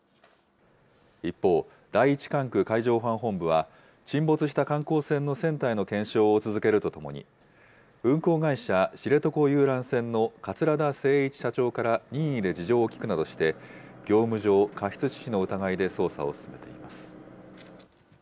一方、第１管区海上保安本部は、沈没した観光船の船体の検証を続けるとともに、運航会社、知床遊覧船の桂田精一社長から任意で事情を聴くなどして、業務上過失致死の疑いで捜査を進めています。